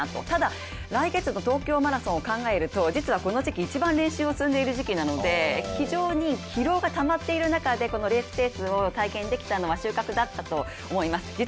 ただ、来月の東京マラソンを考えるとこの時期一番練習を積んでいる時期なので非常に疲労がたまっている中でレースペースを体験できたのは収穫だったと思います。